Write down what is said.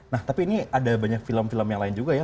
nah tapi ini ada banyak film film yang lain juga ya